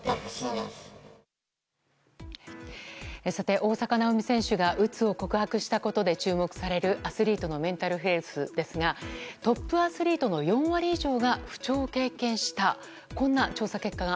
大坂なおみ選手がうつを告白したことで注目されるアスリートのメンタルヘルスですがトップアスリートの４割以上が不調を経験した。